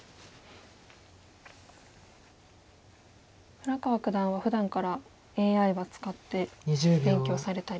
村川九段はふだんからＡＩは使って勉強されたり。